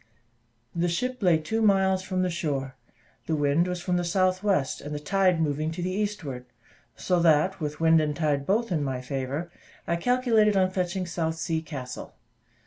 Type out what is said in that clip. The ship lay two miles from the shore, the wind was from the south west, and the tide moving to the eastward; so that, with wind and tide both in my favour, I calculated on fetching South Sea Castle.